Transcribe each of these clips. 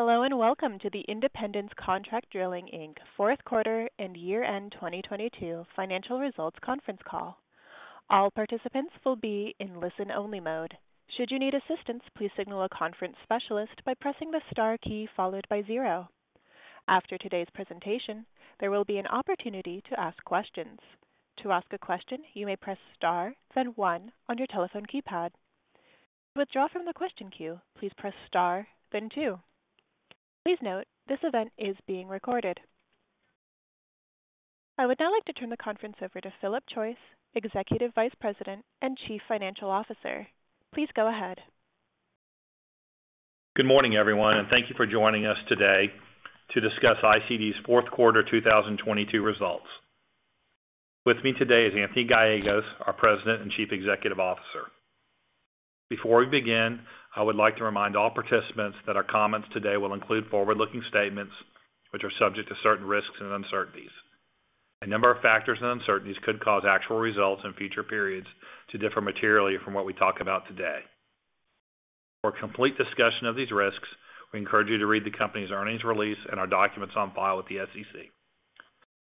Hello, and welcome to the Independence Contract Drilling, Inc. fourth quarter and year-end 2022 financial results conference call. All participants will be in listen-only mode. Should you need assistance, please signal a conference specialist by pressing the star key followed by zero. After today's presentation, there will be an opportunity to ask questions. To ask a question, you may press star, then one on your telephone keypad. To withdraw from the question queue, please press star, then two. Please note, this event is being recorded. I would now like to turn the conference over to Philip Choyce, Executive Vice President and Chief Financial Officer. Please go ahead. Good morning, everyone, thank you for joining us today to discuss ICD's fourth quarter 2022 results. With me today is Anthony Gallegos, our President and Chief Executive Officer. Before we begin, I would like to remind all participants that our comments today will include forward-looking statements which are subject to certain risks and uncertainties. A number of factors and uncertainties could cause actual results in future periods to differ materially from what we talk about today. For a complete discussion of these risks, we encourage you to read the company's earnings release and our documents on file with the SEC.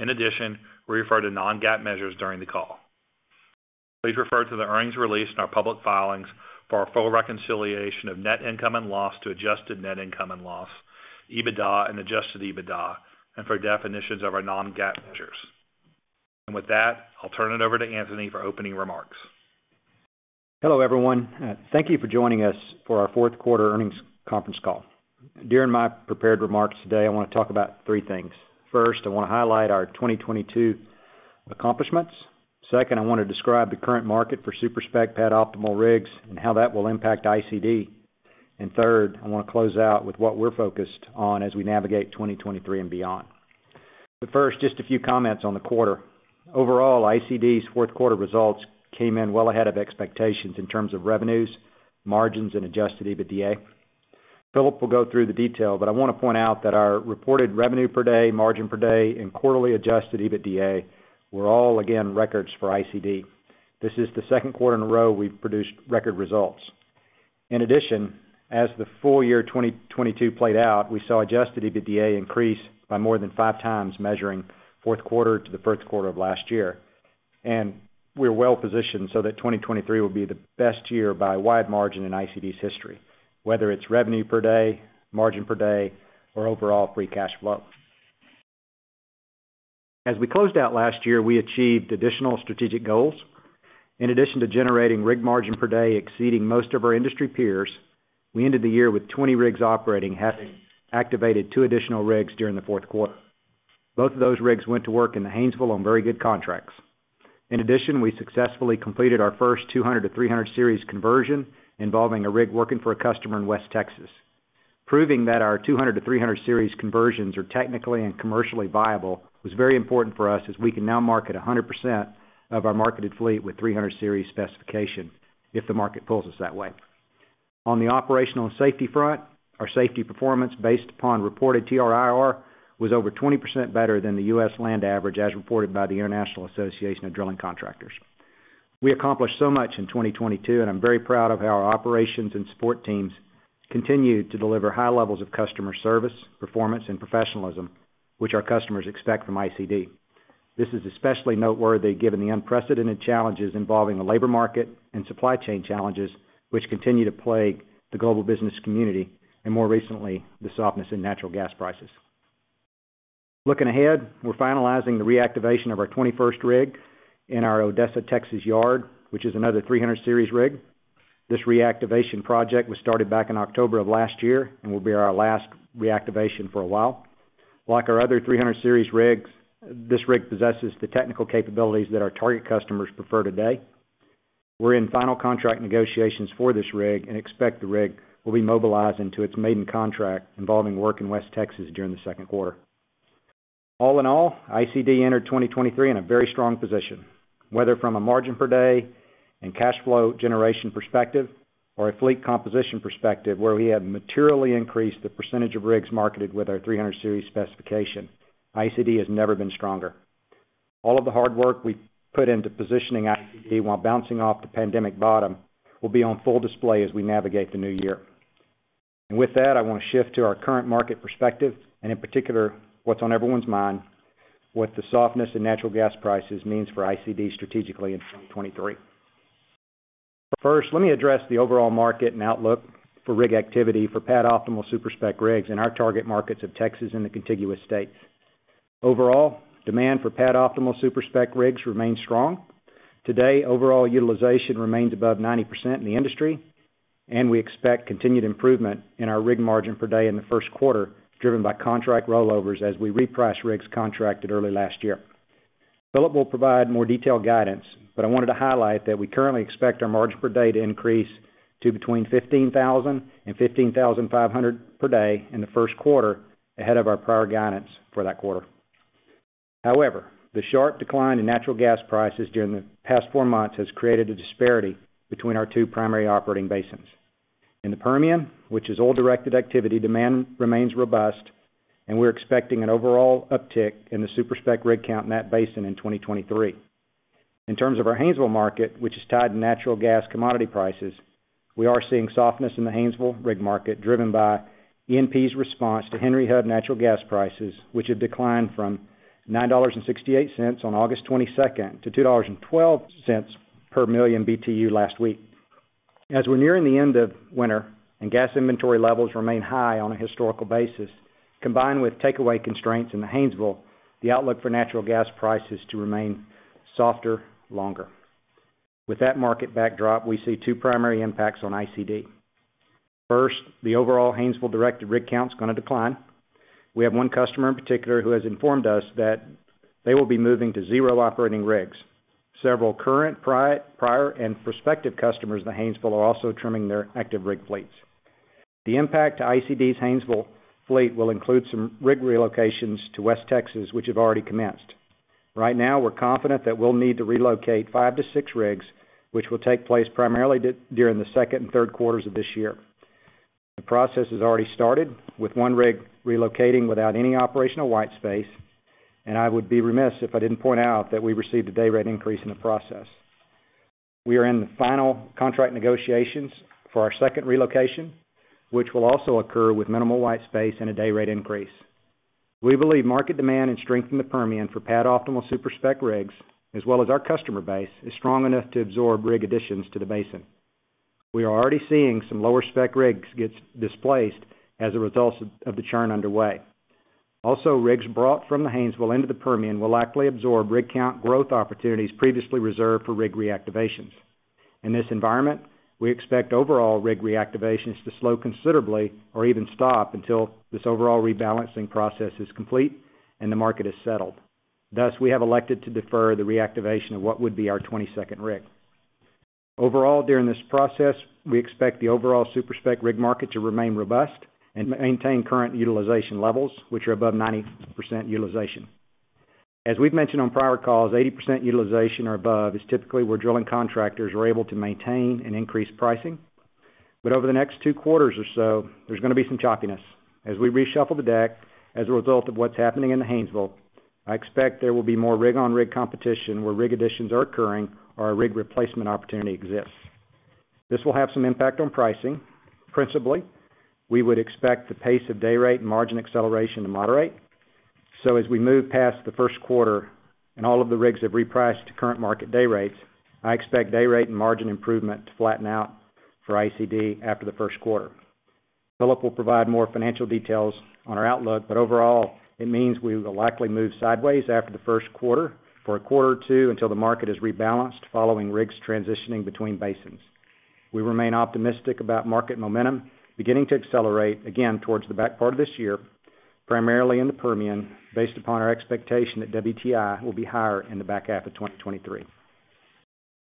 In addition, we refer to non-GAAP measures during the call. Please refer to the earnings release in our public filings for our full reconciliation of net income and loss to adjusted net income and loss, EBITDA and adjusted EBITDA, and for definitions of our non-GAAP measures. With that, I'll turn it over to Anthony for opening remarks. Hello, everyone. Thank you for joining us for our fourth quarter earnings conference call. During my prepared remarks today, I wanna talk about three things. First, I wanna highlight our 2022 accomplishments. Second, I wanna describe the current market for super-spec pad-optimal rigs and how that will impact ICD. Third, I wanna close out with what we're focused on as we navigate 2023 and beyond. First, just a few comments on the quarter. Overall, ICD's fourth quarter results came in well ahead of expectations in terms of revenues, margins, and adjusted EBITDA. Philip will go through the detail, but I wanna point out that our reported revenue per day, margin per day, and quarterly adjusted EBITDA were all again records for ICD. This is the second quarter in a row we've produced record results. As the full year 2022 played out, we saw adjusted EBITDA increase by more than five times, measuring fourth quarter to the first quarter of last year. We're well-positioned so that 2023 will be the best year by wide margin in ICD's history, whether it's revenue per day, margin per day, or overall free cash flow. As we closed out last year, we achieved additional strategic goals. In addition to generating rig margin per day exceeding most of our industry peers, we ended the year with 20 rigs operating, having activated two additional rigs during the fourth quarter. Both of those rigs went to work in the Haynesville on very good contracts. We successfully completed our first 200 Series to 300 Series conversion involving a rig working for a customer in West Texas. Proving that our 200 Series to 300 Series conversions are technically and commercially viable was very important for us as we can now market 100% of our marketed fleet with 300 Series specification if the market pulls us that way. On the operational and safety front, our safety performance, based upon reported TRIR, was over 20% better than the U.S. land average as reported by the International Association of Drilling Contractors. We accomplished so much in 2022, and I'm very proud of how our operations and support teams continued to deliver high levels of customer service, performance, and professionalism, which our customers expect from ICD. This is especially noteworthy given the unprecedented challenges involving the labor market and supply chain challenges, which continue to plague the global business community, and more recently, the softness in natural gas prices. Looking ahead, we're finalizing the reactivation of our 21st rig in our Odessa, Texas yard, which is another 300 Series rig. This reactivation project was started back in October of last year and will be our last reactivation for a while. Like our other 300 Series rigs, this rig possesses the technical capabilities that our target customers prefer today. We're in final contract negotiations for this rig and expect the rig will be mobilized into its maiden contract involving work in West Texas during the second quarter. All in all, ICD entered 2023 in a very strong position, whether from a margin per day and cash flow generation perspective or a fleet composition perspective, where we have materially increased the percentage of rigs marketed with our 300 Series specification. ICD has never been stronger. All of the hard work we've put into positioning ICD while bouncing off the pandemic bottom will be on full display as we navigate the new year. With that, I wanna shift to our current market perspective, in particular, what's on everyone's mind, what the softness in natural gas prices means for ICD strategically in 2023. First, let me address the overall market and outlook for rig activity for pad-optimal super-spec rigs in our target markets of Texas and the contiguous states. Overall, demand for pad-optimal super-spec rigs remains strong. Today, overall utilization remains above 90% in the industry, and we expect continued improvement in our rig margin per day in the first quarter, driven by contract rollovers as we reprice rigs contracted early last year. Philip will provide more detailed guidance. I wanted to highlight that we currently expect our margin per day to increase to between $15,000 and $15,500 per day in the first quarter, ahead of our prior guidance for that quarter. However, the sharp decline in natural gas prices during the past four months has created a disparity between our two primary operating basins. In the Permian, which is oil-directed activity, demand remains robust, and we're expecting an overall uptick in the super-spec rig count in that basin in 2023. In terms of our Haynesville market, which is tied to natural gas commodity prices, we are seeing softness in the Haynesville rig market driven by E&P's response to Henry Hub natural gas prices, which have declined from $9.68 on August 22nd to $2.12 per million BTU last week. As we're nearing the end of winter and gas inventory levels remain high on a historical basis, combined with takeaway constraints in the Haynesville, the outlook for natural gas price is to remain softer longer. With that market backdrop, we see two primary impacts on ICD. First, the overall Haynesville-directed rig count's gonna decline. We have one customer in particular who has informed us that they will be moving to zero operating rigs. Several current, prior, and prospective customers in the Haynesville are also trimming their active rig fleets. The impact to ICD's Haynesville fleet will include some rig relocations to West Texas, which have already commenced. Right now, we're confident that we'll need to relocate five to six rigs, which will take place primarily during the second and third quarters of this year. The process has already started with one rig relocating without any operational white space. I would be remiss if I didn't point out that we received a day rate increase in the process. We are in the final contract negotiations for our second relocation, which will also occur with minimal white space and a day rate increase. We believe market demand and strength in the Permian for pad-optimal super-spec rigs, as well as our customer base, is strong enough to absorb rig additions to the basin. We are already seeing some lower-spec rigs gets displaced as a result of the churn underway. Rigs brought from the Haynesville into the Permian will likely absorb rig count growth opportunities previously reserved for rig reactivations. In this environment, we expect overall rig reactivations to slow considerably or even stop until this overall rebalancing process is complete and the market is settled. Thus, we have elected to defer the reactivation of what would be our 22nd rig. Overall, during this process, we expect the overall super-spec rig market to remain robust and maintain current utilization levels, which are above 90% utilization. As we've mentioned on prior calls, 80% utilization or above is typically where drilling contractors are able to maintain and increase pricing. Over the next two quarters or so, there's gonna be some choppiness. As we reshuffle the deck as a result of what's happening in the Haynesville, I expect there will be more rig-on-rig competition where rig additions are occurring or a rig replacement opportunity exists. This will have some impact on pricing. Principally, we would expect the pace of day rate and margin acceleration to moderate. As we move past the first quarter and all of the rigs have repriced to current market day rates, I expect day rate and margin improvement to flatten out for ICD after the first quarter. Philip will provide more financial details on our outlook, but overall, it means we will likely move sideways after the first quarter for a quarter or two until the market is rebalanced following rigs transitioning between basins. We remain optimistic about market momentum beginning to accelerate again towards the back part of this year, primarily in the Permian, based upon our expectation that WTI will be higher in the back half of 2023.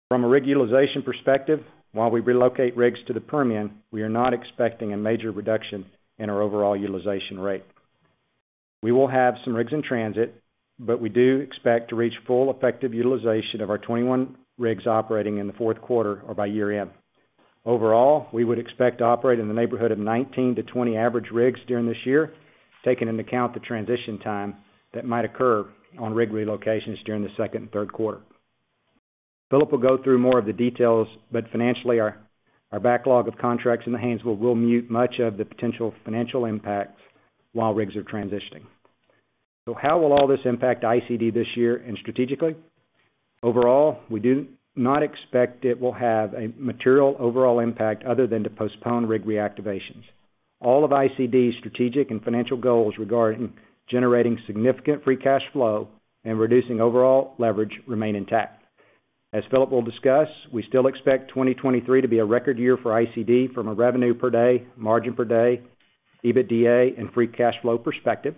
From a rig utilization perspective, while we relocate rigs to the Permian, we are not expecting a major reduction in our overall utilization rate. We will have some rigs in transit, we do expect to reach full effective utilization of our 21 rigs operating in the fourth quarter or by year-end. Overall, we would expect to operate in the neighborhood of 19-20 average rigs during this year, taking into account the transition time that might occur on rig relocations during the second and third quarter. Philip will go through more of the details, financially our backlog of contracts in the Haynesville will mute much of the potential financial impacts while rigs are transitioning. How will all this impact ICD this year and strategically? Overall, we do not expect it will have a material overall impact other than to postpone rig reactivations. All of ICD's strategic and financial goals regarding generating significant free cash flow and reducing overall leverage remain intact. As Philip will discuss, we still expect 2023 to be a record year for ICD from a revenue per day, margin per day, EBITDA and free cash flow perspective.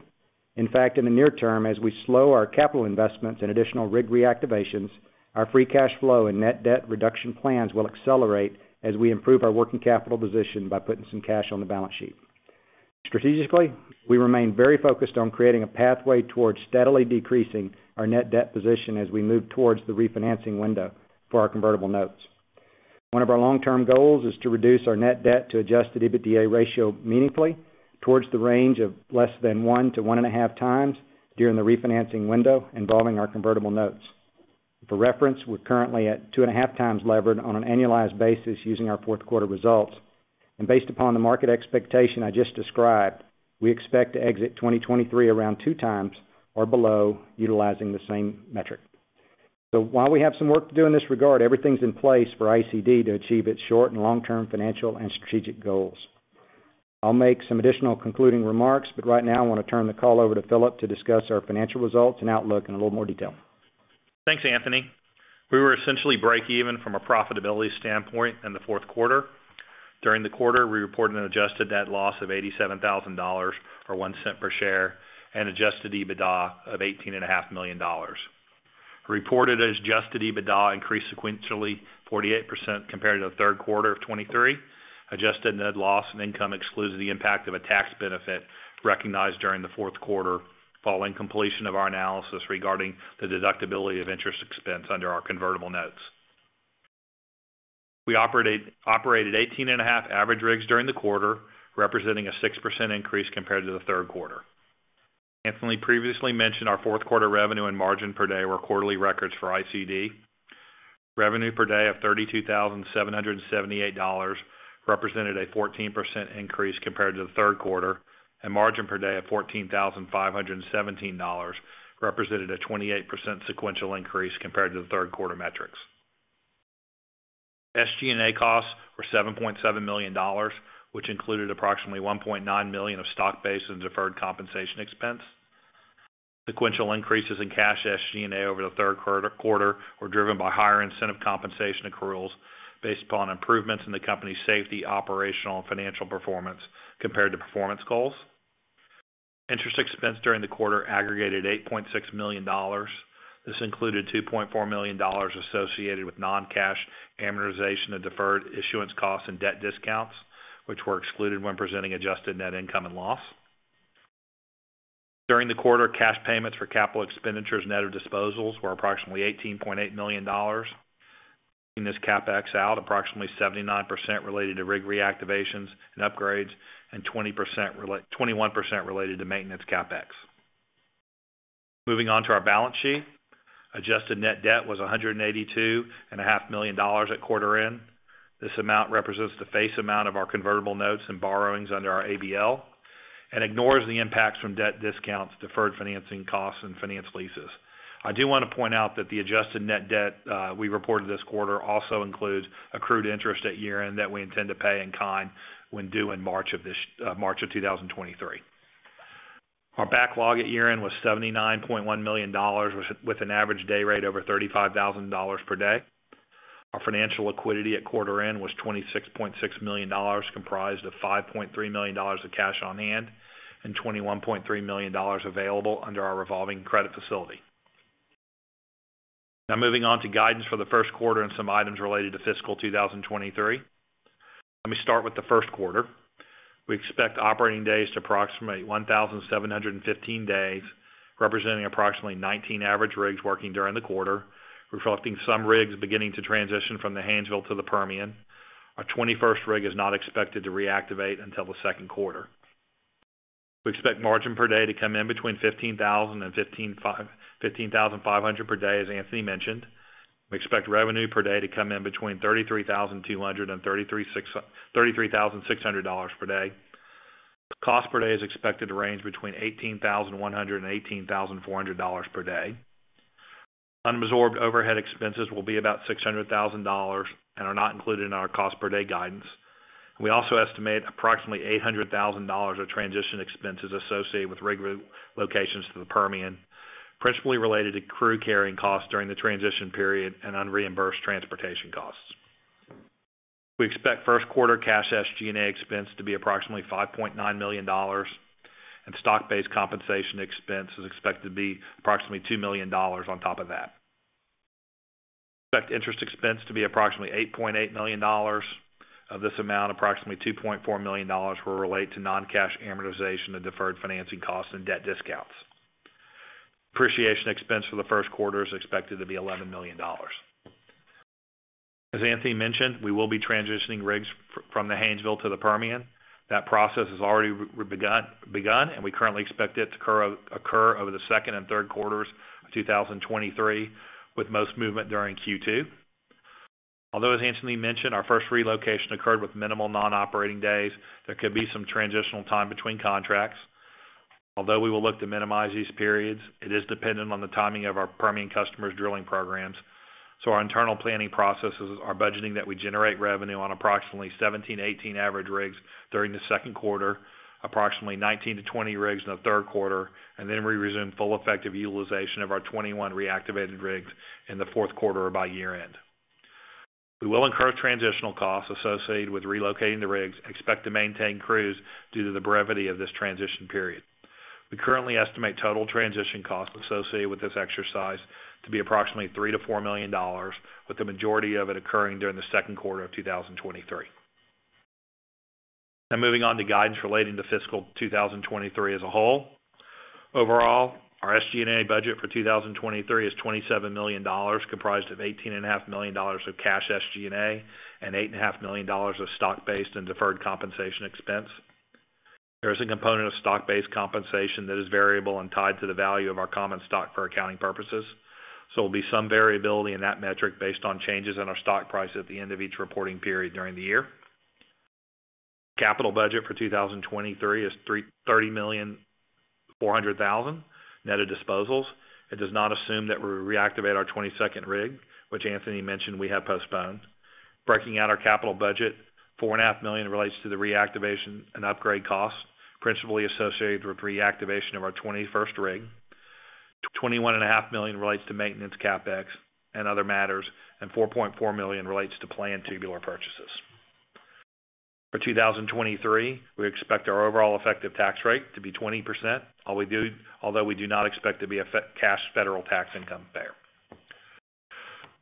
In fact, in the near term, as we slow our capital investments and additional rig reactivations, our free cash flow and net debt reduction plans will accelerate as we improve our working capital position by putting some cash on the balance sheet. Strategically, we remain very focused on creating a pathway towards steadily decreasing our net debt position as we move towards the refinancing window for our Convertible Notes. One of our long-term goals is to reduce our net debt to adjusted EBITDA ratio meaningfully towards the range of less than 1 to 1.5 times during the refinancing window involving our Convertible Notes. For reference, we're currently at 2.5 times levered on an annualized basis using our fourth quarter results. Based upon the market expectation I just described, we expect to exit 2023 around 2 times or below utilizing the same metric. While we have some work to do in this regard, everything's in place for ICD to achieve its short and long-term financial and strategic goals. I'll make some additional concluding remarks, but right now, I wanna turn the call over to Philip to discuss our financial results and outlook in a little more detail. Thanks, Anthony. We were essentially break even from a profitability standpoint in the fourth quarter. During the quarter, we reported an adjusted net loss of $87,000 or $0.01 per share and adjusted EBITDA of $18.5 million. Reported adjusted EBITDA increased sequentially 48% compared to the third quarter of 2023. Adjusted net loss and income excludes the impact of a tax benefit recognized during the fourth quarter following completion of our analysis regarding the deductibility of interest expense under our Convertible Notes. We operated 18.5 average rigs during the quarter, representing a 6% increase compared to the third quarter. Anthony previously mentioned our fourth quarter revenue and margin per day were quarterly records for ICD. Revenue per day of $32,778 represented a 14% increase compared to the third quarter. Margin per day of $14,517 represented a 28% sequential increase compared to the third quarter metrics. SG&A costs were $7.7 million, which included approximately $1.9 million of stock-based and deferred compensation expense. Sequential increases in cash SG&A over the third quarter were driven by higher incentive compensation accruals based upon improvements in the company's safety, operational and financial performance compared to performance goals. Interest expense during the quarter aggregated $8.6 million. This included $2.4 million associated with non-cash amortization of deferred issuance costs and debt discounts, which were excluded when presenting adjusted net income and loss. During the quarter, cash payments for capital expenditures net of disposals were approximately $18.8 million. In this CapEx out, approximately 79% related to rig reactivations and upgrades and 21% related to maintenance CapEx. Moving on to our balance sheet. Adjusted net debt was $182.5 million at quarter end. This amount represents the face amount of our Convertible Notes and borrowings under our ABL and ignores the impacts from debt discounts, deferred financing costs, and finance leases. I do wanna point out that the adjusted net debt we reported this quarter also includes accrued interest at year-end that we intend to pay in kind when due in March of 2023. Our backlog at year-end was $79.1 million with an average day rate over $35,000 per day. Our financial liquidity at quarter end was $26.6 million, comprised of $5.3 million of cash on hand and $21.3 million available under our revolving credit facility. Moving on to guidance for the first quarter and some items related to fiscal 2023. Let me start with the first quarter. We expect operating days to approximate 1,715 days, representing approximately 19 average rigs working during the quarter, reflecting some rigs beginning to transition from the Haynesville to the Permian. Our 21st rig is not expected to reactivate until the second quarter. We expect margin per day to come in between $15,000 and $15,500 per day, as Anthony mentioned. We expect revenue per day to come in between $33,200 and $33,600 per day. Cost per day is expected to range between $18,100 and $18,400 per day. Unabsorbed overhead expenses will be about $600,000 and are not included in our cost per day guidance. We also estimate approximately $800,000 of transition expenses associated with rig locations to the Permian, principally related to crew carrying costs during the transition period and unreimbursed transportation costs. We expect first quarter cash SG&A expense to be approximately $5.9 million. Stock-based compensation expense is expected to be approximately $2 million on top of that. We expect interest expense to be approximately $8.8 million. Of this amount, approximately $2.4 million will relate to non-cash amortization of deferred financing costs and debt discounts. Depreciation expense for the first quarter is expected to be $11 million. As Anthony mentioned, we will be transitioning rigs from the Haynesville to the Permian. That process has already begun, and we currently expect it to occur over the second and third quarters of 2023, with most movement during Q2. Although, as Anthony mentioned, our first relocation occurred with minimal non-operating days, there could be some transitional time between contracts. Although we will look to minimize these periods, it is dependent on the timing of our Permian customers' drilling programs. Our internal planning processes are budgeting that we generate revenue on approximately 17, 18 average rigs during the second quarter, approximately 19-20 rigs in the third quarter, and then we resume full effective utilization of our 21 reactivated rigs in the fourth quarter or by year-end. We will incur transitional costs associated with relocating the rigs expect to maintain crews due to the brevity of this transition period. We currently estimate total transition costs associated with this exercise to be approximately $3 million-$4 million, with the majority of it occurring during the second quarter of 2023. Moving on to guidance relating to fiscal 2023 as a whole. Overall, our SG&A budget for 2023 is $27 million, comprised of $18.5 million of cash SG&A and $8.5 million of stock-based and deferred compensation expense. There is a component of stock-based compensation that is variable and tied to the value of our common stock for accounting purposes, so there'll be some variability in that metric based on changes in our stock price at the end of each reporting period during the year. Capital budget for 2023 is $30,400,000 net of disposals. It does not assume that we'll reactivate our 22nd rig, which Anthony mentioned we have postponed. Breaking out our capital budget, $4.5 million relates to the reactivation and upgrade costs, principally associated with reactivation of our 21st rig. $21.5 million relates to maintenance CapEx and other matters, and $4.4 million relates to planned tubular purchases. For 2023, we expect our overall effective tax rate to be 20%, although we do not expect to be a cash federal tax income payer.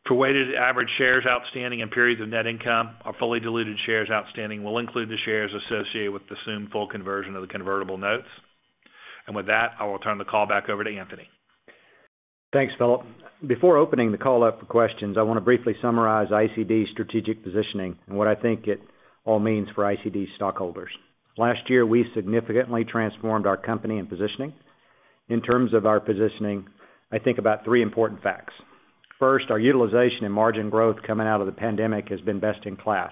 For weighted average shares outstanding and periods of net income, our fully diluted shares outstanding will include the shares associated with the assumed full conversion of the Convertible Notes. With that, I will turn the call back over to Anthony. Thanks, Philip. Before opening the call up for questions, I wanna briefly summarize ICD's strategic positioning and what I think it all means for ICD's stockholders. Last year, we significantly transformed our company and positioning. In terms of our positioning, I think about three important facts. First, our utilization and margin growth coming out of the pandemic has been best in class.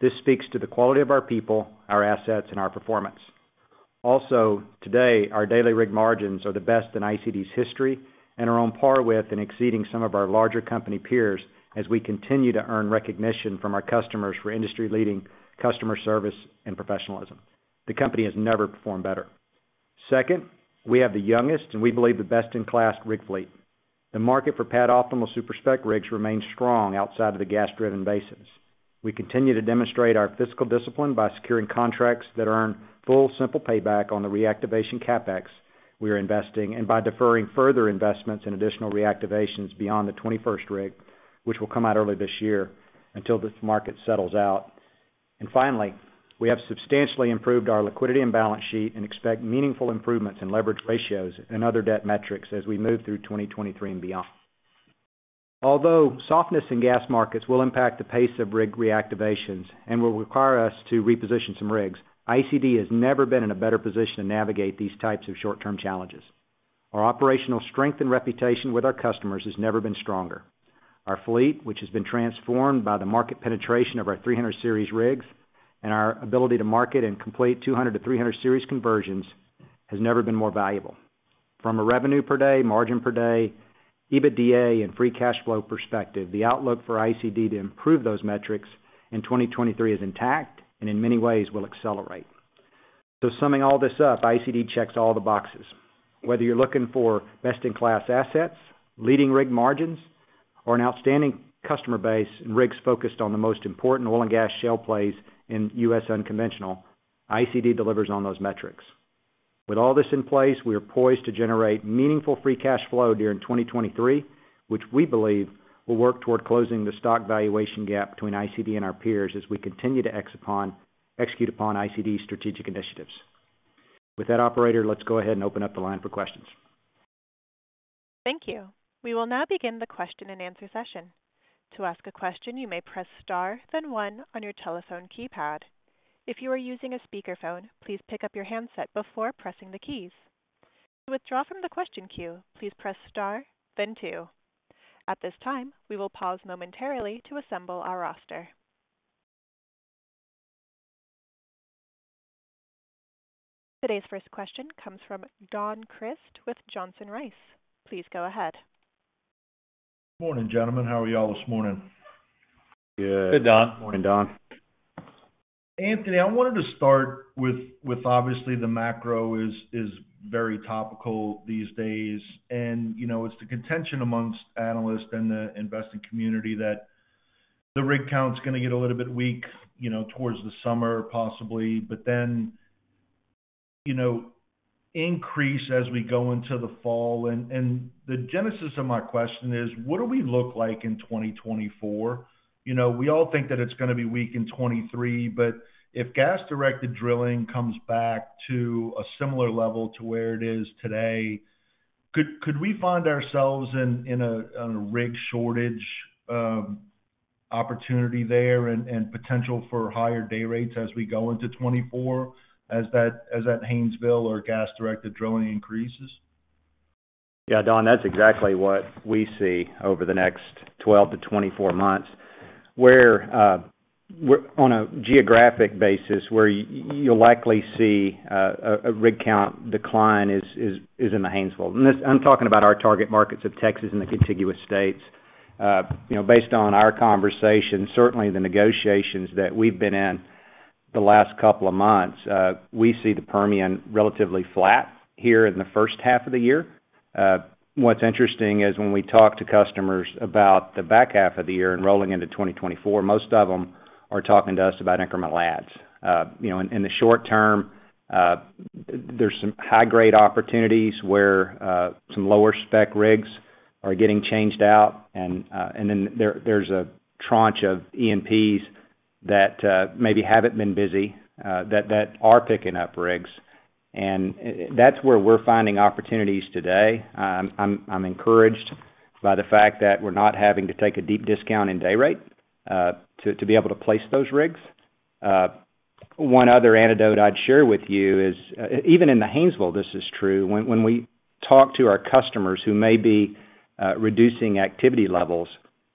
This speaks to the quality of our people, our assets, and our performance. Also, today, our daily rig margins are the best in ICD's history and are on par with and exceeding some of our larger company peers as we continue to earn recognition from our customers for industry-leading customer service and professionalism. The company has never performed better. Second, we have the youngest, and we believe the best-in-class rig fleet. The market for pad-optimal super-spec rigs remains strong outside of the gas-driven basins. We continue to demonstrate our fiscal discipline by securing contracts that earn full simple payback on the reactivation CapEx we are investing and by deferring further investments in additional reactivations beyond the 21st rig, which will come out early this year until this market settles out. Finally, we have substantially improved our liquidity and balance sheet and expect meaningful improvements in leverage ratios and other debt metrics as we move through 2023 and beyond. Softness in gas markets will impact the pace of rig reactivations and will require us to reposition some rigs, ICD has never been in a better position to navigate these types of short-term challenges. Our operational strength and reputation with our customers has never been stronger. Our fleet, which has been transformed by the market penetration of our 300 Series rigs and our ability to market and complete 200 Series to 300 Series conversions, has never been more valuable. From a revenue per day, margin per day, EBITDA, and free cash flow perspective, the outlook for ICD to improve those metrics in 2023 is intact and in many ways will accelerate. Summing all this up, ICD checks all the boxes. Whether you're looking for best-in-class assets, leading rig margins, or an outstanding customer base and rigs focused on the most important oil and gas shale plays in U.S. unconventional, ICD delivers on those metrics. With all this in place, we are poised to generate meaningful free cash flow during 2023, which we believe will work toward closing the stock valuation gap between ICD and our peers as we continue to execute upon ICD's strategic initiatives. With that, operator, let's go ahead and open up the line for questions. Thank you. We will now begin the question-and-answer session. To ask a question, you may press Star, then 1 on your telephone keypad. If you are using a speakerphone, please pick up your handset before pressing the keys. To withdraw from the question queue, please press Star, then two. At this time, we will pause momentarily to assemble our roster. Today's first question comes from Don Crist with Johnson Rice. Please go ahead. Morning, gentlemen. How are y'all this morning? Good. Good, Don. Morning, Don. Anthony, I wanted to start with obviously the macro is very topical these days. You know, it's the contention amongst analysts and the investing community that the rig count's gonna get a little bit weak, you know, towards the summer, possibly, but then, you know, increase as we go into the fall. The genesis of my question is: what do we look like in 2024? You know, we all think that it's gonna be weak in 2023, but if gas-directed drilling comes back to a similar level to where it is today, could we find ourselves in a rig shortage opportunity there and potential for higher day rates as we go into 2024 as that Haynesville or gas-directed drilling increases? Yeah, Don, that's exactly what we see over the next 12 to 24 months, where on a geographic basis, where you'll likely see a rig count decline is in the Haynesville. I'm talking about our target markets of Texas and the contiguous states. you know, based on our conversations, certainly the negotiations that we've been in the last couple of months, we see the Permian relatively flat here in the first half of the year. what's interesting is when we talk to customers about the back half of the year and rolling into 2024, most of them are talking to us about incremental adds. you know, in the short term, there's some high-grade opportunities where some lower spec rigs are getting changed out. Then there's a tranche of E&Ps that maybe haven't been busy that are picking up rigs. That's where we're finding opportunities today. I'm encouraged by the fact that we're not having to take a deep discount in day rate to be able to place those rigs. One other anecdote I'd share with you is, even in the Haynesville, this is true, when we talk to our customers who may be reducing activity levels,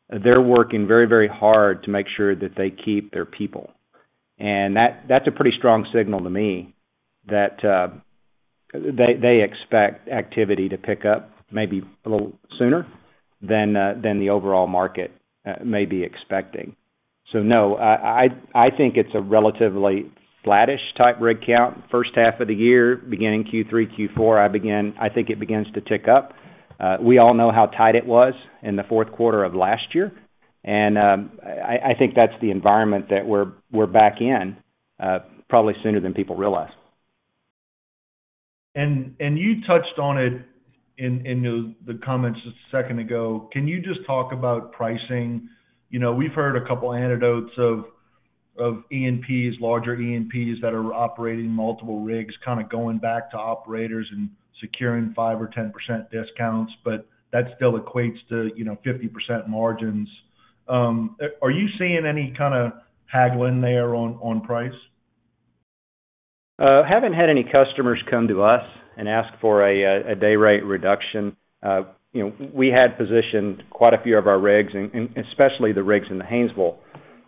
they're working very, very hard to make sure that they keep their people. That's a pretty strong signal to me that they expect activity to pick up maybe a little sooner than the overall market may be expecting. No, I think it's a relatively flattish type rig count first half of the year. Beginning Q3, Q4, I think it begins to tick up. We all know how tight it was in the fourth quarter of last year, and I think that's the environment that we're back in probably sooner than people realize. You touched on it in the comments just a second ago. Can you just talk about pricing? You know, we've heard a couple anecdotes of E&Ps, larger E&Ps that are operating multiple rigs, kind of going back to operators and securing 5% or 10% discounts, but that still equates to, you know, 50% margins. Are you seeing any kind of haggling there on price? Haven't had any customers come to us and ask for a day rate reduction. You know, we had positioned quite a few of our rigs, and especially the rigs in the Haynesville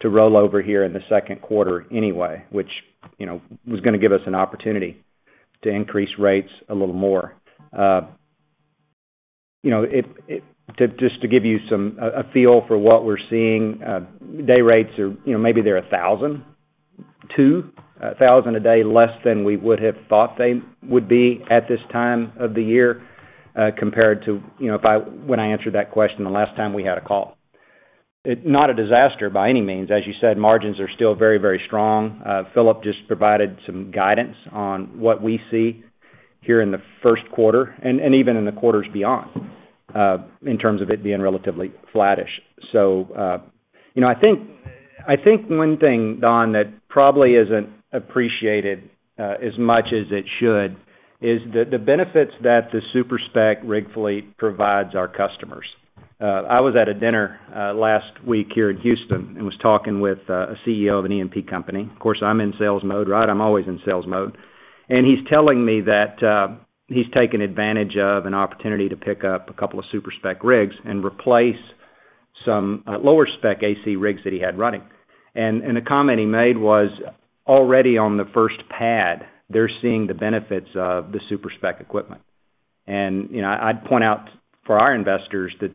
to roll over here in the second quarter anyway, which, you know, was gonna give us an opportunity to increase rates a little more. You know, just to give you some a feel for what we're seeing, day rates are, you know, maybe they're $1,002. $1,000 a day less than we would have thought they would be at this time of the year, compared to, you know, when I answered that question the last time we had a call. It's not a disaster by any means. As you said, margins are still very, very strong. Philip just provided some guidance on what we see here in the 1st quarter and even in the quarters beyond, in terms of it being relatively flattish. You know, I think one thing, Don, that probably isn't appreciated as much as it should is the benefits that the super-spec rig fleet provides our customers. I was at a dinner last week here in Houston and was talking with a CEO of an E&P company. Of course, I'm in sales mode, right? I'm always in sales mode. He's telling me that he's taken advantage of an opportunity to pick up 2 super-spec rigs and replace some lower spec AC rigs that he had running. The comment he made was already on the first pad, they're seeing the benefits of the super-spec equipment. You know, I'd point out for our investors that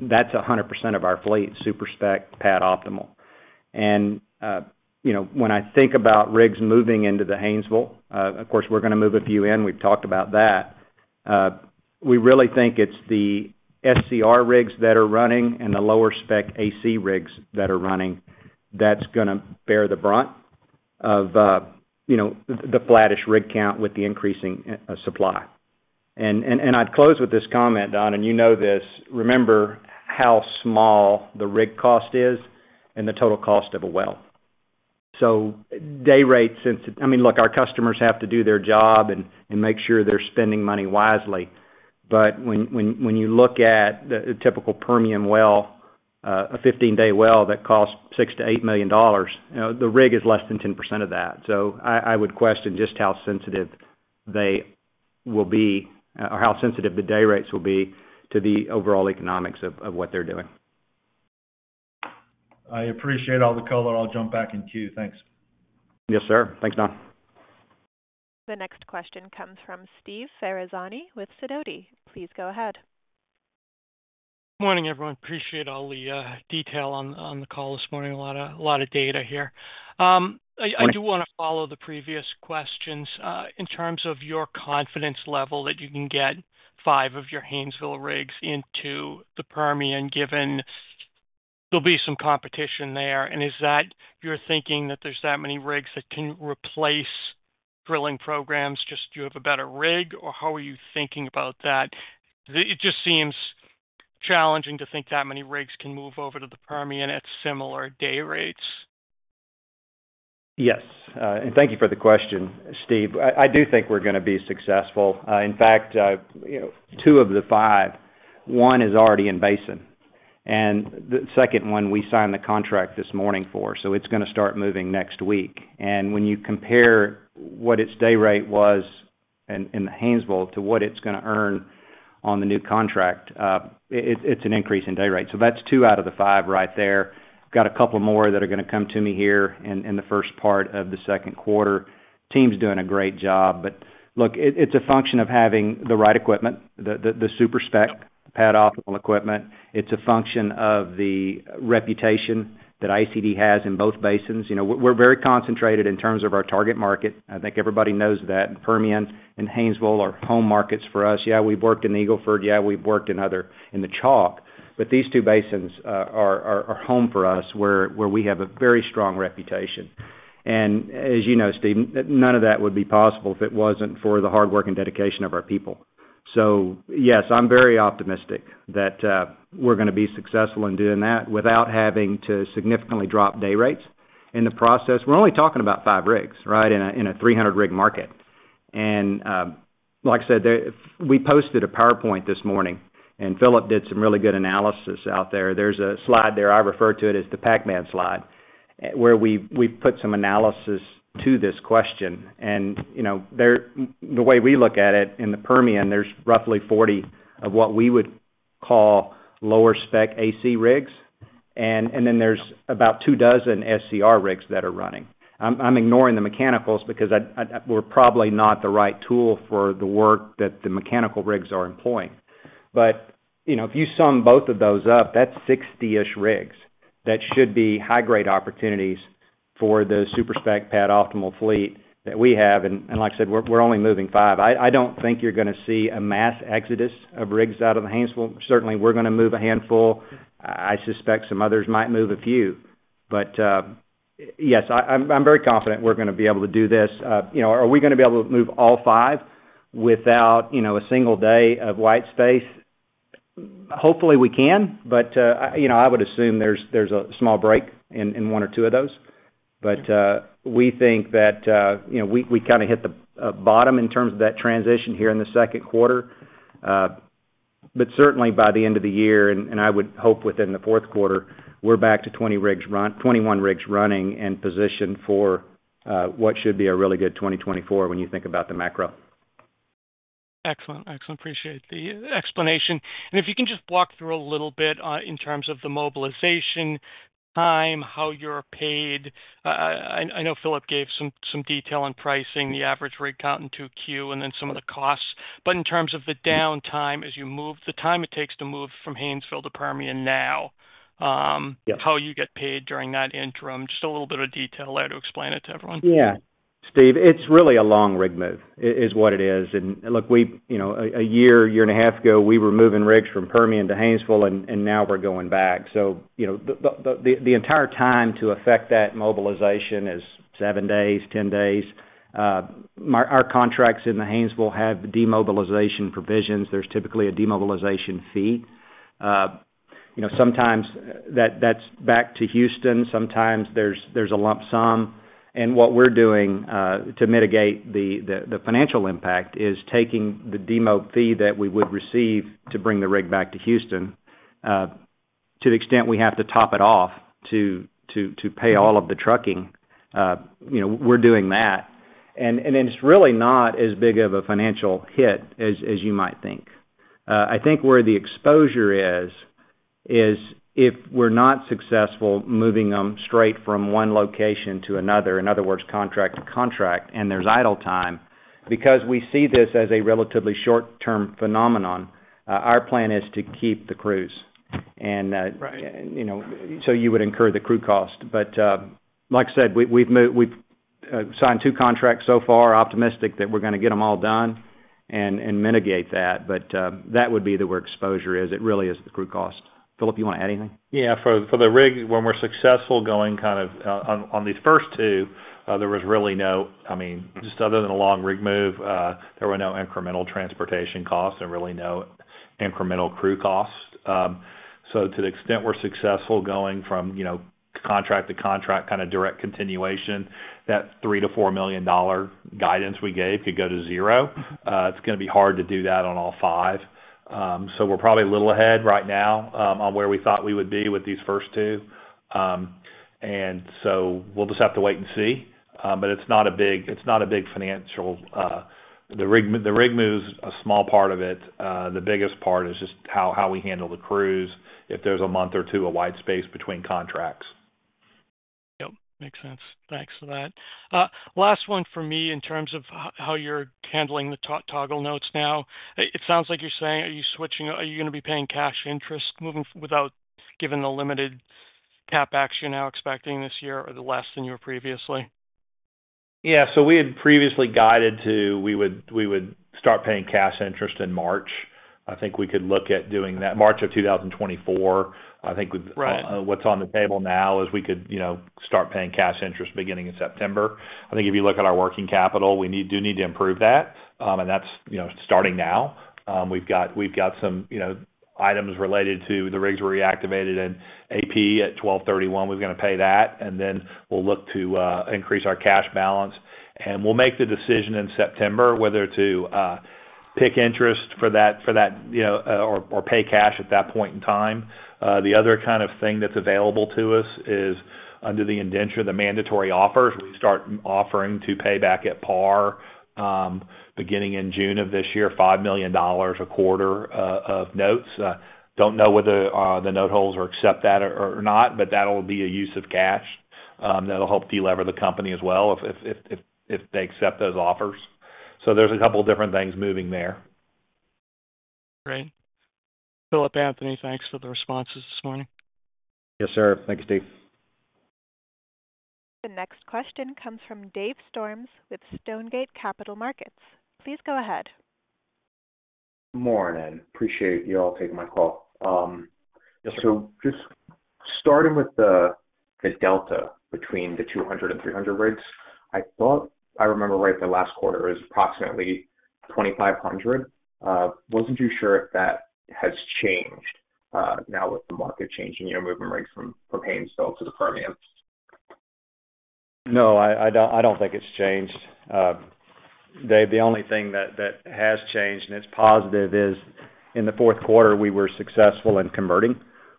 that's 100% of our fleet, super-spec pad-optimal. You know, when I think about rigs moving into the Haynesville, of course, we're gonna move a few in, we've talked about that. We really think it's the SCR rigs that are running and the lower spec AC rigs that are running that's gonna bear the brunt of, you know, the flattish rig count with the increasing supply. I'd close with this comment, Don, and you know this, remember how small the rig cost is and the total cost of a well. Day rates since-- I mean, look, our customers have to do their job and make sure they're spending money wisely. When you look at the typical Permian well, a 15-day well that costs $6 million-$8 million, you know, the rig is less than 10% of that. I would question just how sensitive they will be or how sensitive the day rates will be to the overall economics of what they're doing. I appreciate all the color. I'll jump back in queue. Thanks. Yes, sir. Thanks, Don. The next question comes from Steve Ferazani with Sidoti. Please go ahead. Morning, everyone. Appreciate all the detail on the call this morning. A lot of data here. Right. I do wanna follow the previous questions, in terms of your confidence level that you can get five of your Haynesville rigs into the Permian, given there'll be some competition there. Is that you're thinking that there's that many rigs that can replace drilling programs, just you have a better rig, or how are you thinking about that? It just seems challenging to think that many rigs can move over to the Permian at similar day rates. Yes. Thank you for the question, Steve. I do think we're gonna be successful. In fact, you know, two of the five, one is already in basin. The second one, we signed the contract this morning for, so it's gonna start moving next week. When you compare what its day rate was in the Haynesville to what it's gonna earn on the new contract, it's an increase in day rate. That's two out of the five right there. Got a couple more that are gonna come to me here in the first part of the second quarter. Team's doing a great job. Look, it's a function of having the right equipment, the super-spec pad-optimal equipment. It's a function of the reputation that ICD has in both basins. You know, we're very concentrated in terms of our target market. I think everybody knows that. Permian and Haynesville are home markets for us. Yeah, we've worked in Eagle Ford. Yeah, we've worked in the Chalk. These two basins are home for us where we have a very strong reputation. As you know, Stephen, none of that would be possible if it wasn't for the hard work and dedication of our people. Yes, I'm very optimistic that we're gonna be successful in doing that without having to significantly drop day rates in the process. We're only talking about five rigs, right, in a 300-rig market. Like I said, we posted a PowerPoint this morning, and Philip did some really good analysis out there. There's a slide there, I refer to it as the Pac-Man slide, where we've put some analysis to this question. You know, the way we look at it, in the Permian, there's roughly 40 of what we would call lower spec AC rigs. There's about 24 SCR rigs that are running. I'm ignoring the mechanicals because we're probably not the right tool for the work that the mechanical rigs are employing. You know, if you sum both of those up, that's 60-ish rigs that should be high-grade opportunities for the super-spec pad-optimal fleet that we have. Like I said, we're only moving five. I don't think you're gonna see a mass exodus of rigs out of the Haynesville. Certainly, we're gonna move a handful. I suspect some others might move a few. Yes, I'm very confident we're gonna be able to do this. You know, are we gonna be able to move all five without, you know, a single day of white space? Hopefully we can, but, you know, I would assume there's a small break in one or two of those. We think that, you know, we kind of hit the bottom in terms of that transition here in the second quarter. Certainly by the end of the year, and I would hope within the fourth quarter, we're back to 21 rigs running and positioned for what should be a really good 2024 when you think about the macro. Excellent. Excellent. Appreciate the explanation. If you can just walk through a little bit, in terms of the mobilization time, how you're paid. I know Philip gave some detail on pricing, the average rig count in 2Q, and then some of the costs. In terms of the downtime as you move the time it takes to move from Haynesville to Permian now... Yes. How you get paid during that interim, just a little bit of detail there to explain it to everyone. Yeah. Steve, it's really a long rig move is what it is. Look, you know, a year and a half ago, we were moving rigs from Permian to Haynesville, and now we're going back. You know, the entire time to affect that mobilization is seven days, 10 days. Our contracts in the Haynesville have demobilization provisions. There's typically a demobilization fee. You know, sometimes that's back to Houston, sometimes there's a lump sum. What we're doing, to mitigate the financial impact is taking the demo fee that we would receive to bring the rig back to Houston, to the extent we have to top it off to pay all of the trucking, you know, we're doing that. It's really not as big of a financial hit as you might think. I think where the exposure is, if we're not successful moving them straight from one location to another, in other words, contract to contract, and there's idle time, because we see this as a relatively short-term phenomenon, our plan is to keep the crews. Right. you know, so you would incur the crew cost. Like I said, we've signed two contracts so far, optimistic that we're gonna get them all done and mitigate that. That would be where exposure is. It really is the crew cost. Philip, you wanna add anything? Yeah. For the rig, when we're successful going kind of, on these first two, there was really I mean, just other than a long rig move, there were no incremental transportation costs and really no incremental crew costs. To the extent we're successful going from, you know, contract to contract kind of direct continuation, that $3 million-$4 million guidance we gave could go to zero. It's gonna be hard to do that on all five. We're probably a little ahead right now, on where we thought we would be with these first two. We'll just have to wait and see. It's not a big, it's not a big financial. The rig move is a small part of it. The biggest part is just how we handle the crews if there's a month or two of white space between contracts. Yep. Makes sense. Thanks for that. Last one for me in terms of how you're handling the toggle notes now. It sounds like you're saying, are you gonna be paying cash interest moving without given the limited CapEx you're now expecting this year or the less than you were previously? Yeah. We had previously guided to, we would start paying cash interest in March. I think we could look at doing that March of 2024. I think we've. Right. What's on the table now is we could, you know, start paying cash interest beginning in September. I think if you look at our working capital, we do need to improve that, and that's, you know, starting now. We've got, we've got some, you know, items related to the rigs we reactivated in AP at 12/31, we're gonna pay that, and then we'll look to increase our cash balance. We'll make the decision in September whether to pick interest for that, you know, or pay cash at that point in time. The other kind of thing that's available to us is under the indenture, the mandatory offers. We start offering to pay back at par, beginning in June of this year, $5 million a quarter of notes. Don't know whether the note holders will accept that or not, but that'll be a use of cash, that'll help de-lever the company as well if they accept those offers. There's a couple different things moving there. Great. Philip, Anthony, thanks for the responses this morning. Yes, sir. Thank you, Steve. The next question comes from Dave Storms with Stonegate Capital Markets. Please go ahead. Morning. Appreciate you all taking my call. Yes, sir. Just starting with the delta between the 200 and 300 rigs, I thought I remember right, the last quarter is approximately 2,500 wasn't too sure if that has changed, now with the market changing, you know, moving rigs from Haynesville to the Permian. No, I don't, I don't think it's changed. Dave, the only thing that has changed, and it's positive, is in the fourth quarter, we were successful in converting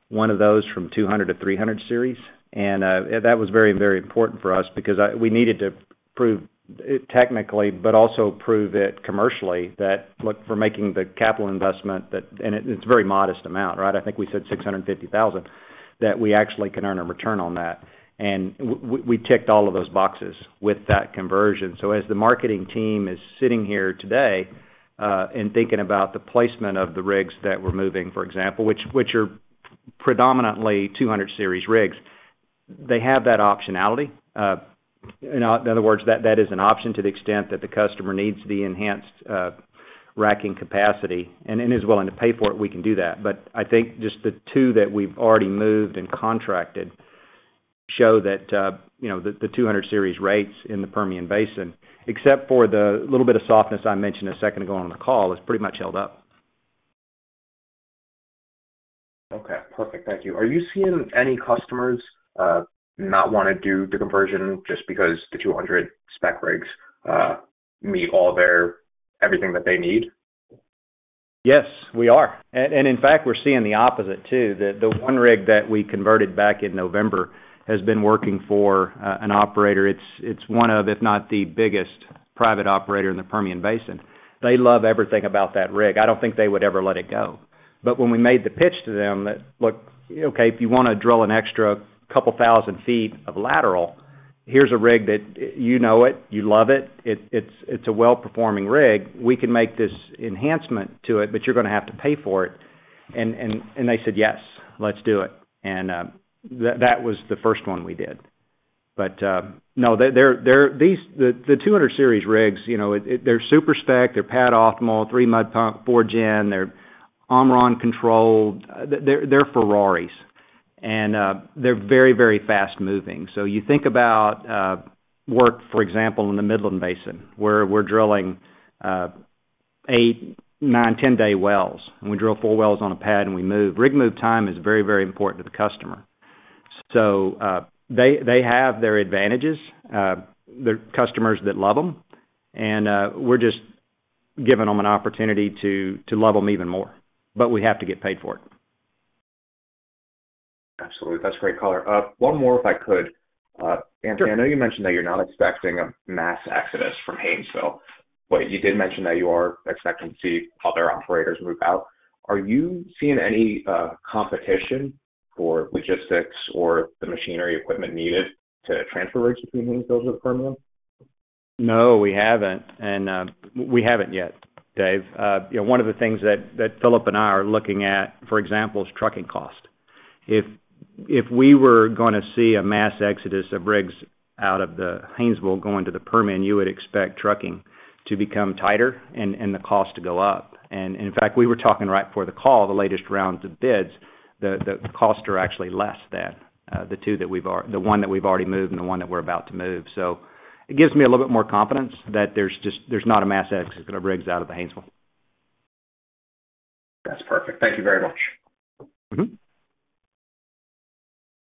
one of those from 200 to 300 Series. That was very, very important for us because we needed to prove technically, but also prove it commercially, that look, for making the capital investment. It's a very modest amount, right? I think we said $650,000, that we actually can earn a return on that. We ticked all of those boxes with that conversion. As the marketing team is sitting here today, and thinking about the placement of the rigs that we're moving, for example, which are predominantly 200 Series rigs, they have that optionality. you know, in other words, that is an option to the extent that the customer needs the enhanced, racking capacity and is willing to pay for it, we can do that. I think just the two that we've already moved and contracted, show that, you know, the 200 Series rates in the Permian Basin, except for the little bit of softness I mentioned a second ago on the call, it's pretty much held up. Okay. Perfect. Thank you. Are you seeing any customers not wanna do the conversion just because the 200 spec rigs meet all their everything that they need? Yes, we are. In fact, we're seeing the opposite too. The one rig that we converted back in November has been working for an operator. It's one of, if not the biggest private operator in the Permian Basin. They love everything about that rig. When we made the pitch to them that, "Look, okay, if you wanna drill an extra couple 1,000 feet of lateral, here's a rig that you know it, you love it. It's a well-performing rig. We can make this enhancement to it, but you're gonna have to pay for it." They said, "Yes, let's do it." That was the first one we did. No, these, the 200 Series rigs, you know, they're super-spec, they're pad-optimal, 3 mud pump, 4 gen. They're Omron controlled. They're Ferraris. They're very, very fast moving. You think about, work, for example, in the Midland Basin, where we're drilling, eight, nine, 10-day wells. We drill four wells on a pad and we move. Rig move time is very, very important to the customer. They have their advantages. The customers that love them, and we're just giving them an opportunity to love them even more, but we have to get paid for it. Absolutely. That's a great color. One more, if I could. Sure. Anthony, I know you mentioned that you're not expecting a mass exodus from Haynesville. You did mention that you are expecting to see other operators move out. Are you seeing any competition for logistics or the machinery equipment needed to transfer rigs between Haynesville to the Permian? No, we haven't. We haven't yet, Dave. You know, one of the things that Philip and I are looking at, for example, is trucking cost. If, if we were gonna see a mass exodus of rigs out of the Haynesville going to the Permian, you would expect trucking to become tighter and the costs to go up. In fact, we were talking right before the call, the latest rounds of bids, the costs are actually less than the one that we've already moved and the one that we're about to move. It gives me a little bit more confidence that there's not a mass exodus of rigs out of the Haynesville. That's perfect. Thank you very much.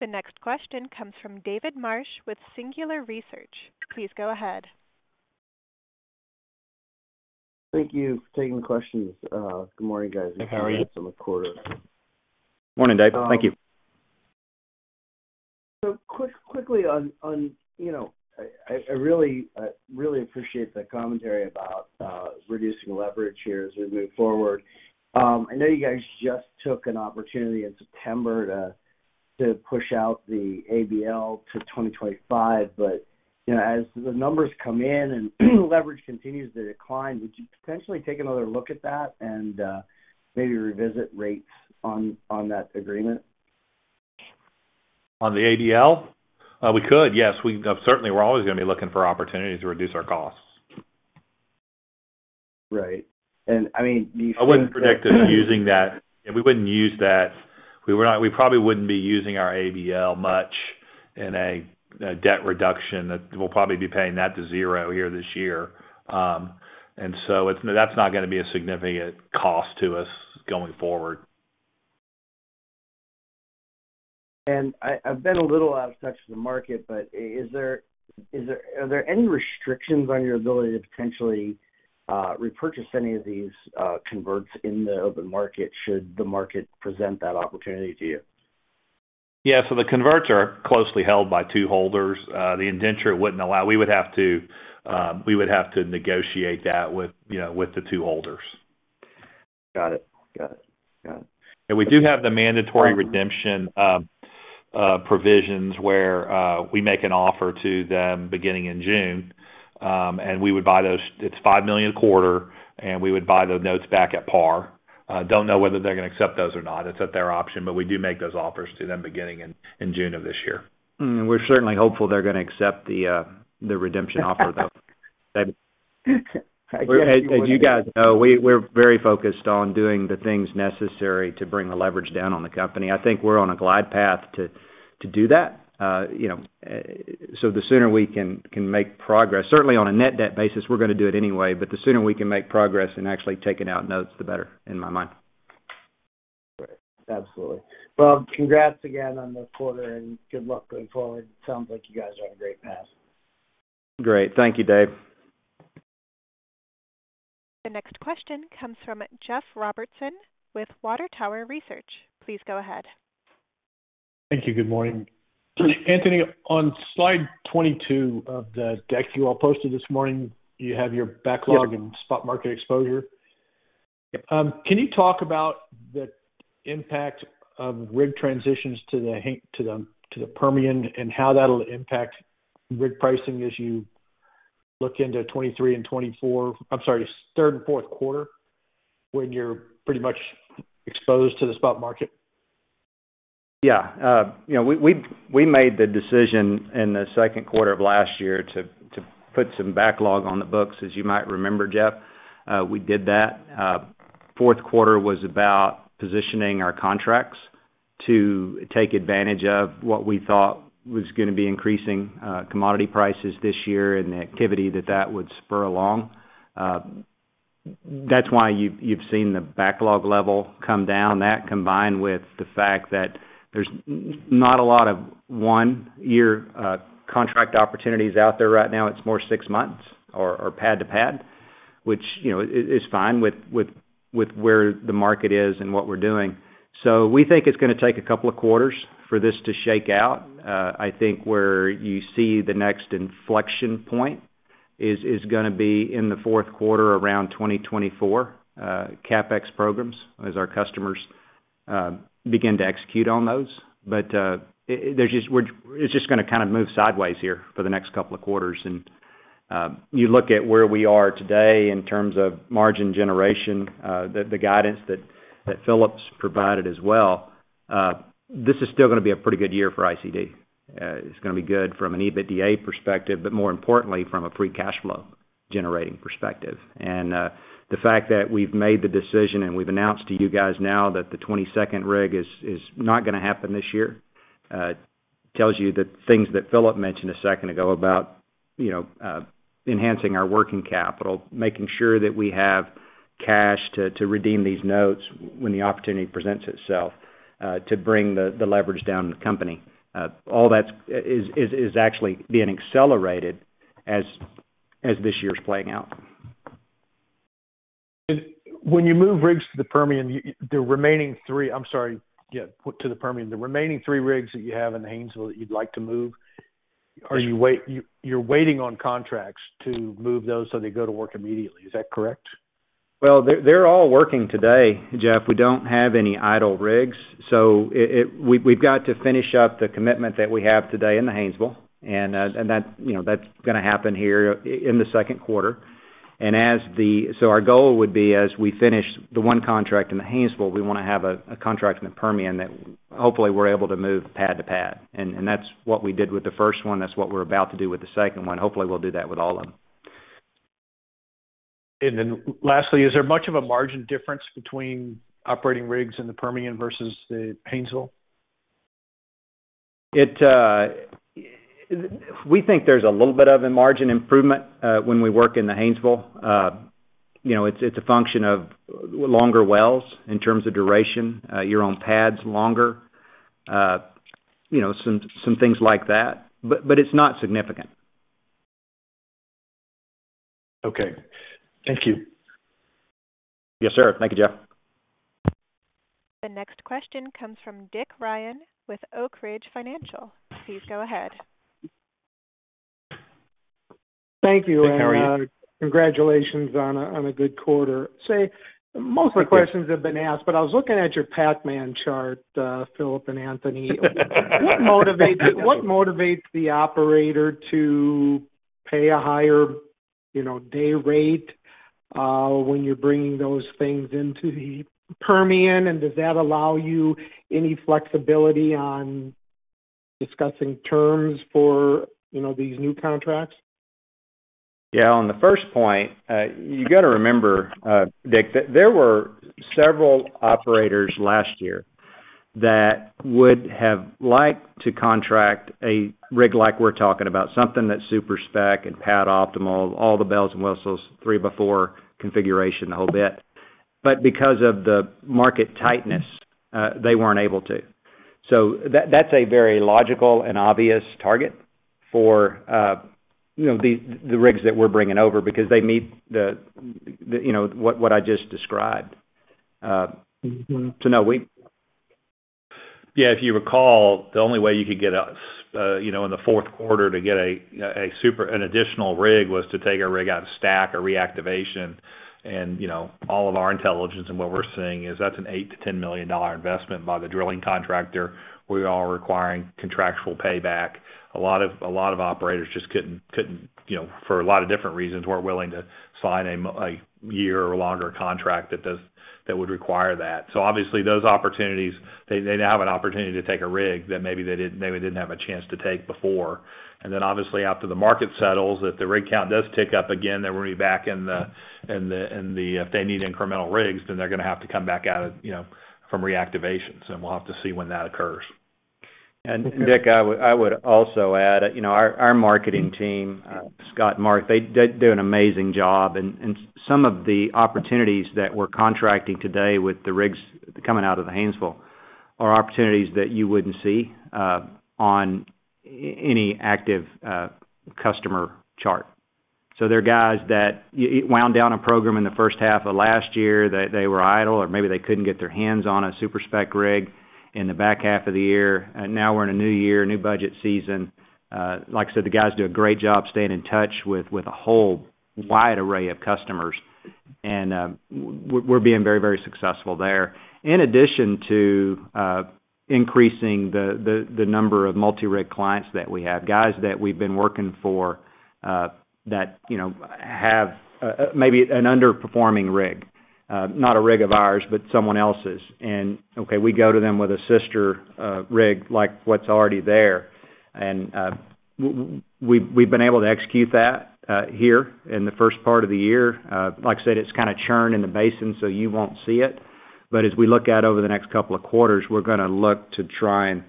Mm-hmm. The next question comes from David Marsh with Singular Research. Please go ahead. Thank you for taking the questions. Good morning, guys. How are you? This is David Marsh from Singular Research. Morning, Dave. Thank you. Quickly on, you know, I really appreciate the commentary about reducing leverage here as we move forward. I know you guys just took an opportunity in September to push out the ABL to 2025. You know, as the numbers come in and leverage continues to decline, would you potentially take another look at that and maybe revisit rates on that agreement? On the ABL? we could, yes. Certainly, we're always gonna be looking for opportunities to reduce our costs. Right. I mean. I wouldn't predict us using that. We wouldn't use that. We probably wouldn't be using our ABL much in a debt reduction. We'll probably be paying that to 0 here this year. That's not gonna be a significant cost to us going forward. I've been a little out of touch with the market, but are there any restrictions on your ability to potentially repurchase any of these converts in the open market, should the market present that opportunity to you? Yeah. The converts are closely held by two holders. The indenture wouldn't allow. We would have to negotiate that with, you know, with the 2 holders. Got it. Got it. Got it. We do have the mandatory redemption provisions where we make an offer to them beginning in June, and we would buy those. It's $5 million a quarter, and we would buy those notes back at par. Don't know whether they're gonna accept those or not. It's at their option, but we do make those offers to them beginning in June of this year. Mm. We're certainly hopeful they're gonna accept the redemption offer, though. I guess. As you guys know, we're very focused on doing the things necessary to bring the leverage down on the company. I think we're on a glide path to do that. You know, the sooner we can make progress, certainly on a net debt basis, we're gonna do it anyway, but the sooner we can make progress in actually taking out notes, the better in my mind. Right. Absolutely. Well, congrats again on the quarter and good luck going forward. Sounds like you guys are on a great path. Great. Thank you, Dave. The next question comes from Jeff Robertson with Water Tower Research. Please go ahead. Thank you. Good morning. Anthony, on slide 22 of the deck you all posted this morning, you have your backlog- Yeah. Spot market exposure. Yeah. Can you talk about the impact of rig transitions to the Permian and how that'll impact rig pricing as you look into 2023 and 2024, I'm sorry, third and fourth quarter when you're pretty much exposed to the spot market? Yeah. You know, we made the decision in the 2nd quarter of last year to put some backlog on the books, as you might remember, Jeff. We did that. 4th quarter was about positioning our contracts to take advantage of what we thought was gonna be increasing commodity prices this year and the activity that that would spur along. That's why you've seen the backlog level come down. That combined with the fact that there's not a lot of 1-year contract opportunities out there right now. It's more 6 months or pad to pad, which, you know, is fine with where the market is and what we're doing. We think it's gonna take 2 quarters for this to shake out. I think where you see the next inflection point is gonna be in the fourth quarter around 2024 CapEx programs as our customers begin to execute on those. It's just gonna kind of move sideways here for the next couple of quarters. You look at where we are today in terms of margin generation, the guidance that Philip's provided as well, this is still gonna be a pretty good year for ICD. It's gonna be good from an EBITDA perspective, but more importantly, from a free cash flow generating perspective. The fact that we've made the decision and we've announced to you guys now that the 22nd rig is not gonna happen this year, tells you the things that Philip mentioned a second ago about, you know, enhancing our working capital, making sure that we have cash to redeem these notes when the opportunity presents itself, to bring the leverage down in the company. All that's is actually being accelerated as this year's playing out. When you move rigs to the Permian. I'm sorry. Yeah, to the Permian. The remaining three rigs that you have in the Haynesville that you'd like to move, are you waiting on contracts to move those so they go to work immediately? Is that correct? They're all working today, Jeff. We don't have any idle rigs, so it we've got to finish up the commitment that we have today in the Haynesville and that, you know, that's gonna happen here in the second quarter. Our goal would be, as we finish the one contract in the Haynesville, we wanna have a contract in the Permian that hopefully we're able to move pad to pad. That's what we did with the first one. That's what we're about to do with the second one. Hopefully, we'll do that with all of them. Lastly, is there much of a margin difference between operating rigs in the Permian versus the Haynesville? It, we think there's a little bit of a margin improvement, when we work in the Haynesville. You know, it's a function of longer wells in terms of duration. You're on pads longer. You know, some things like that, but it's not significant. Okay. Thank you. Yes, sir. Thank you, Jeff. The next question comes from Richard Ryan with Oak Ridge Financial. Please go ahead. Thank you. Richard, how are you? Congratulations on a good quarter. Say, most of the questions... Thank you. -have been asked. I was looking at your Pac-Man chart, Philip and Anthony. What motivates the operator to pay a higher, you know, day rate when you're bringing those things into the Permian? Does that allow you any flexibility on discussing terms for, you know, these new contracts? On the first point, you gotta remember, Richard, that there were several operators last year that would have liked to contract a rig like we're talking about. Something that's super-spec and pad-optimal, all the bells and whistles, three-by-four configuration, the whole bit. Because of the market tightness, they weren't able to. That, that's a very logical and obvious target for, you know, the rigs that we're bringing over because they meet the, you know, what I just described. Mm-hmm. no. Yeah, if you recall, the only way you could get a, you know, in the fourth quarter to get an additional rig was to take a rig out of stack or reactivation. You know, all of our intelligence and what we're seeing is that's an $8 million-$10 million investment by the drilling contractor. We are requiring contractual payback. A lot of operators just couldn't, you know, for a lot of different reasons, weren't willing to sign a year or longer contract that would require that. Obviously those opportunities, they now have an opportunity to take a rig that maybe they didn't have a chance to take before. Obviously, after the market settles, if the rig count does tick up again, we'll be back. If they need incremental rigs, they're gonna have to come back out at, you know, from reactivations, and we'll have to see when that occurs. Richard, I would also add, you know, our marketing team, Scott and Mark, they do an amazing job. Some of the opportunities that we're contracting today with the rigs coming out of the Haynesville are opportunities that you wouldn't see on any active customer chart. They're guys that wound down a program in the first half of last year that they were idle, or maybe they couldn't get their hands on a super-spec rig in the back half of the year. We're in a new year, new budget season. Like I said, the guys do a great job staying in touch with a whole wide array of customers. We're being very, very successful there. In addition to increasing the number of multi-rig clients that we have, guys that we've been working for, that, you know, have maybe an underperforming rig, not a rig of ours, but someone else's. Okay, we go to them with a sister rig, like what's already there. We've been able to execute that here in the first part of the year. Like I said, it's kinda churned in the basin, so you won't see it. As we look out over the next couple of quarters, we're gonna look to try and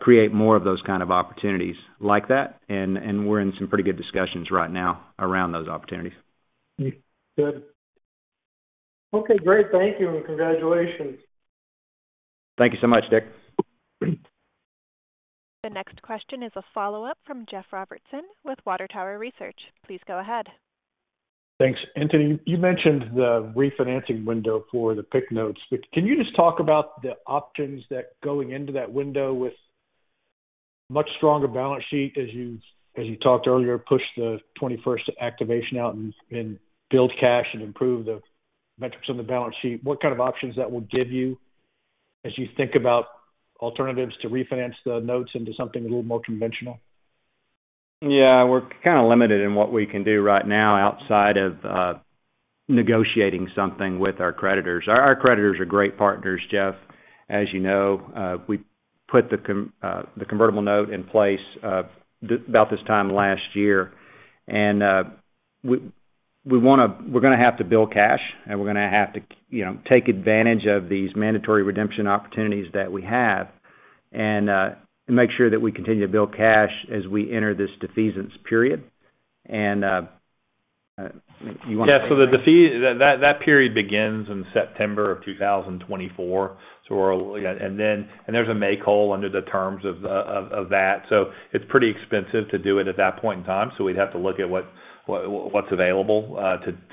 create more of those kind of opportunities like that. We're in some pretty good discussions right now around those opportunities. Good. Okay, great. Thank you, and congratulations. Thank you so much, Richard. The next question is a follow-up from Jeff Robertson with Water Tower Research. Please go ahead. Thanks. Anthony, you mentioned the refinancing window for the PIK notes. Can you just talk about the options that going into that window with much stronger balance sheet as you talked earlier, push the 21st activation out and build cash and improve the metrics on the balance sheet? What kind of options that will give you as you think about alternatives to refinance the notes into something a little more conventional? Yeah, we're kind of limited in what we can do right now outside of negotiating something with our creditors. Our creditors are great partners, Jeff. As you know, we put the Convertible Notes in place about this time last year. We wanna build cash, and we're gonna have to you know, take advantage of these mandatory redemption opportunities that we have and make sure that we continue to build cash as we enter this defeasance period. You wanna say that? Yeah. That, that period begins in September of 2024. we're... Yeah. There's a make whole under the terms of that. It's pretty expensive to do it at that point in time, so we'd have to look at what's available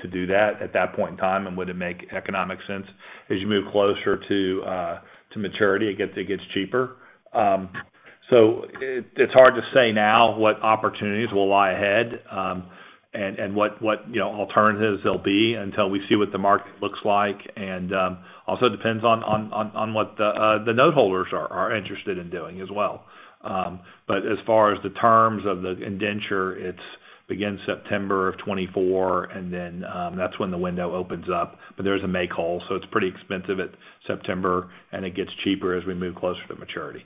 to do that at that point in time, and would it make economic sense. As you move closer to maturity, it gets cheaper. It's hard to say now what opportunities will lie ahead, and what, you know, alternatives there'll be until we see what the market looks like. Also depends on what the note holders are interested in doing as well. As far as the terms of the indenture, it's begins September of 2024, and then, that's when the window opens up. There's a make whole, so it's pretty expensive at September, and it gets cheaper as we move closer to maturity.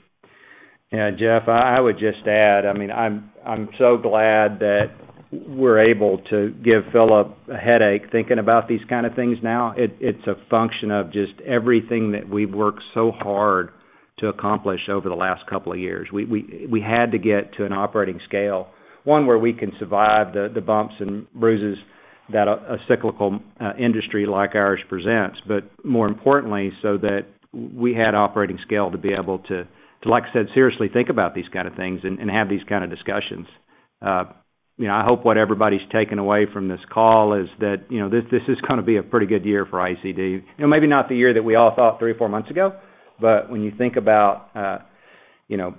Yeah. Jeff, I would just add, I mean, I'm so glad that we're able to give Philip a headache thinking about these kind of things now. It's a function of just everything that we've worked so hard to accomplish over the last couple of years. We had to get to an operating scale, one where we can survive the bumps and bruises that a cyclical industry like ours presents, but more importantly, so that we had operating scale to be able to, like I said, seriously think about these kind of things and have these kind of discussions. You know, I hope what everybody's taken away from this call is that, you know, this is gonna be a pretty good year for ICD. You know, maybe not the year that we all thought three or four months ago, when you think about, you know,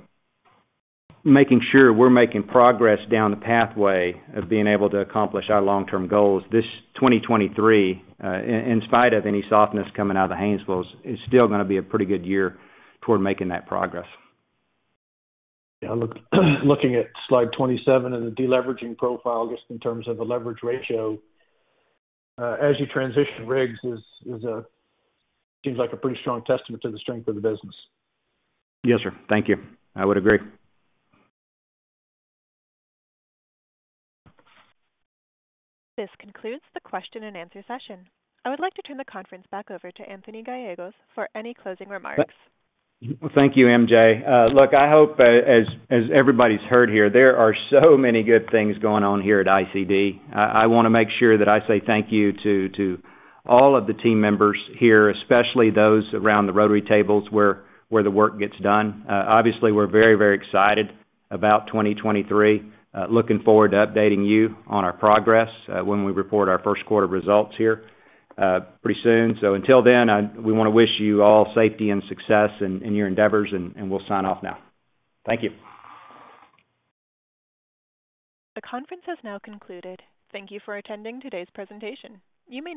making sure we're making progress down the pathway of being able to accomplish our long-term goals, this 2023, in spite of any softness coming out of the Haynesville, is still gonna be a pretty good year toward making that progress. Yeah. looking at slide 27 and the deleveraging profile, just in terms of the leverage ratio, as you transition rigs is seems like a pretty strong testament to the strength of the business. Yes, sir. Thank you. I would agree. This concludes the question and answer session. I would like to turn the conference back over to Anthony Gallegos for any closing remarks. Thank you, MJ. Look, I hope as everybody's heard here, there are so many good things going on here at ICD. I wanna make sure that I say thank you to all of the team members here, especially those around the rotary tables where the work gets done. Obviously, we're very excited about 2023. Looking forward to updating you on our progress when we report our first quarter results here pretty soon. Until then, we wanna wish you all safety and success in your endeavors, and we'll sign off now. Thank you. The conference has now concluded. Thank you for attending today's presentation. You may now-